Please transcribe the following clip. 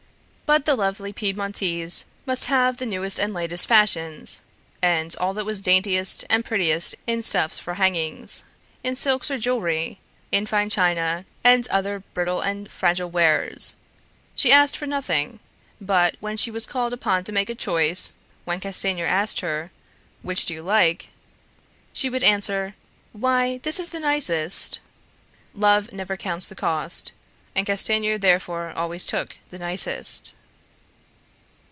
But the lovely Piedmontese must have the newest and latest fashions, and all that was daintiest and prettiest in stuffs for hangings, in silks or jewelry, in fine china and other brittle and fragile wares. She asked for nothing; but when she was called upon to make a choice, when Castanier asked her, "Which do you like?" she would answer, "Why, this is the nicest!" Love never counts the cost, and Castanier therefore always took the "nicest."